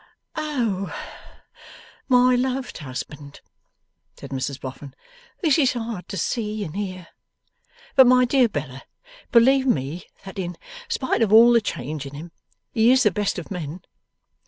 'Oh, my loved husband!' said Mrs Boffin. 'This is hard to see and hear. But my dear Bella, believe me that in spite of all the change in him, he is the best of men.